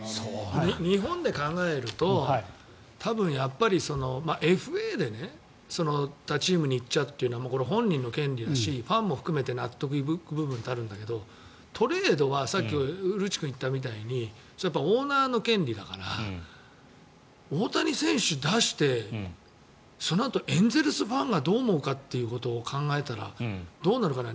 日本で考えると多分ＦＡで他チームに行くとこれは本人の権利だしファンも含めて納得のいく部分があるんだけどトレードはさっき古内君が言ったみたいにオーナーの権利だから大谷選手を出してそのあとエンゼルスファンがどう思うかということを考えたらどうなるかな。